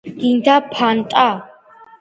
გინდა ფანტა